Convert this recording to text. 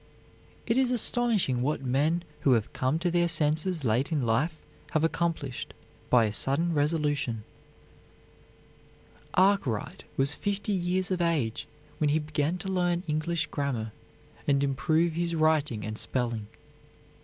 It is astonishing what men who have come to their senses late in life have accomplished by a sudden resolution. Arkwright was fifty years of age when he began to learn English grammar and improve his writing and spelling.